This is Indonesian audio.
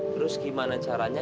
terus gimana caranya